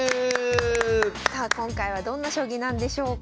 さあ今回はどんな将棋なんでしょうか。